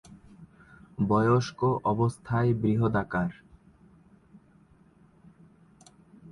বয়স্ক অবস্থায় বৃহদাকার।